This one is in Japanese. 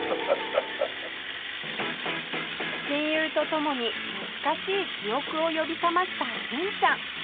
親友と共に懐かしい記憶を呼び覚ました純ちゃん